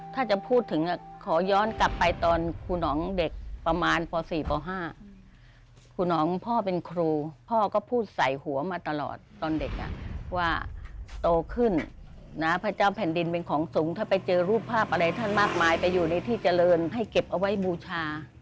ถ้าจะพูดถึงขอย้อนกลับไปตอนครูหนองเด็กประมาณป๔ป๕ครูหนองพ่อเป็นครูพ่อก็พูดใส่หัวมาตลอดตอนเด็กว่าโตขึ้นนะพระเจ้าแผ่นดินเป็นของสูงถ้าไปเจอรูปภาพอะไรท่านมากมายไปอยู่ในที่เจริญให้เก็บเอาไว้บูชา